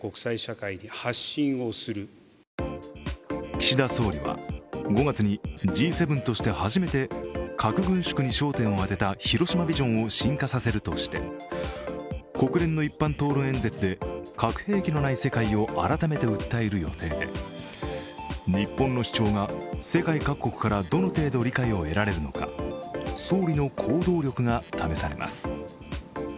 岸田総理は５月にＧ７として初めて核軍縮に焦点を当てた広島ビジョンを深化させるとして、国連の一般討論演説で核兵器のない世界を改めて訴える予定で、日本の主張が世界各国からどの程度理解を得られるのか総理の行動力が試されます。